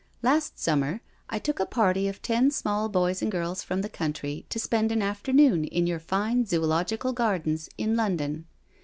Last sunmier I took a party of ten small boys and girls from the country to spend an afternoon in your fine Zoological Gardens in London.